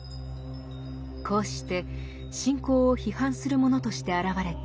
こうして信仰を批判するものとして現れた啓蒙。